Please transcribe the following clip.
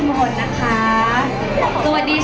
ก็ไม่มีคนกลับมาหรือเปล่า